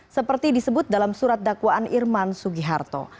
seperti disebut dalam surat dakwaan irman sugiharto